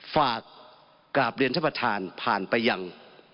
ฝากกราบเรียนท่านประธานผ่านไปยัง